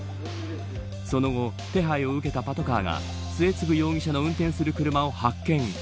その後、手配を受けたパトカーが末次容疑者の運転する車を発見。